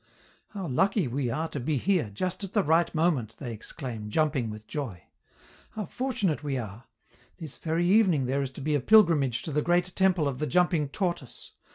"How lucky we are to be here, just at the right moment," they exclaim, jumping with joy. "How fortunate we are! This very evening there is to be a pilgrimage to the great temple of the jumping Tortoise!